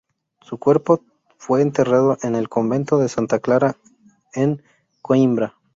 Su cuerpo fue enterrado en el convento de Santa Clara en Coímbra.